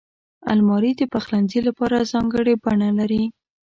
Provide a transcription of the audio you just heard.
الماري د پخلنځي لپاره ځانګړې بڼه لري